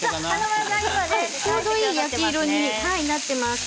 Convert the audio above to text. ちょうどいい焼き色になっていますね。